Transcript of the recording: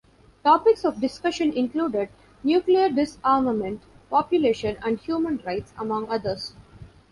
Topics of discussion included nuclear disarmament, population and human rights, among others.